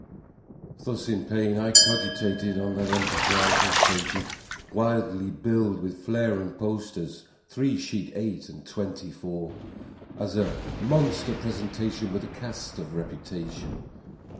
Thus in pain I cogitated on that enterprise ill fated, Widely billed with flaring posters three sheet, eight, and twenty four As a "Monster Presentation with a Cast of Reputa tion."